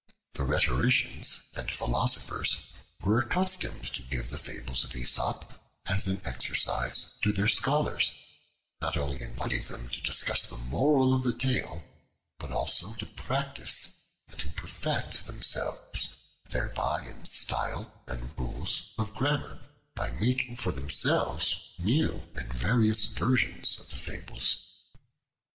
The rhetoricians and philosophers were accustomed to give the Fables of Aesop as an exercise to their scholars, not only inviting them to discuss the moral of the tale, but also to practice and to perfect themselves thereby in style and rules of grammar, by making for themselves new and various versions of the fables.